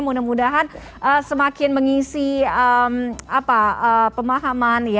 mudah mudahan semakin mengisi pemahaman